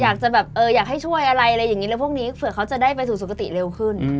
อยากจะแบบเอออยากให้ช่วยอะไรอะไรอย่างนี้แล้วพวกนี้เผื่อเขาจะได้ไปสู่สุขติเร็วขึ้น